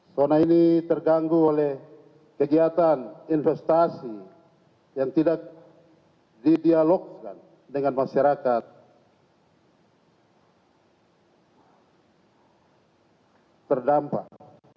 zona ini terganggu oleh kegiatan investasi yang tidak didialogkan dengan masyarakat terdampak